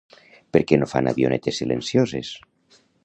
Per qué no fan avionetes silencioses?